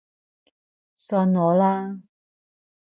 信我啦